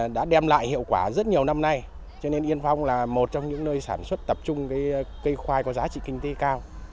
đã đem lại hiệu quả rất nhiều năm nay cho nên yên phong là một trong những nơi sản xuất tập trung cây khoai có giá trị kinh tế cao